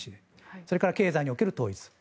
それから経済における統一。